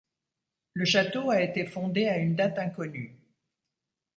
Le château a été fondé à une date inconnue.